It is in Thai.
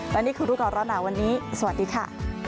และนี่คือรู้ก่อนร้อนหนาวันนี้สวัสดีค่ะ